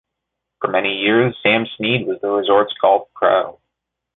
For many years, Sam Snead was the resort's golf pro.